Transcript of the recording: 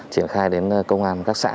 triển khai đến công an các xã